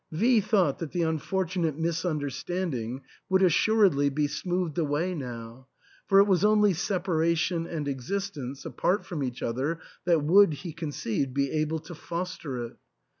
V thought that the unfortunate mis understanding would assuredly be smoothed away now, for it was only separation and existence apart from each other that would, he conceived, be able to foster it.